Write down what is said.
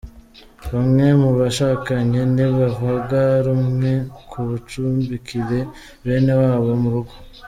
Bamwe mu bashakanye ntibavuga rumwe ku gucumbikira bene wabo mu rugo